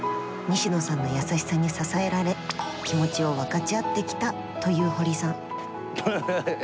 西野さんの優しさに支えられ気持ちを分かち合ってきたという堀さん。